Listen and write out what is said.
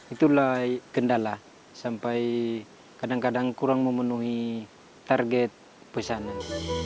itulah kendala sampai kadang kadang kurang memenuhi target pesanan